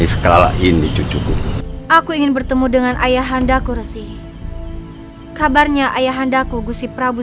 skala ini cucuku aku ingin bertemu dengan ayah handaku resi kabarnya ayah handaku gusih prabu